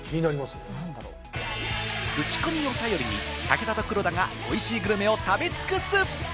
クチコミを頼りに武田と黒田が美味しいグルメを食べ尽くす。